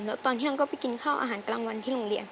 แล้วตอนเที่ยงก็ไปกินข้าวอาหารกลางวันที่โรงเรียน